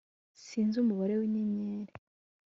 sinzi umubare w'inyenyeri